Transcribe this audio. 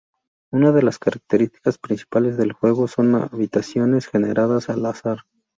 Una de las características principales del juego son habitaciones generadas al azar.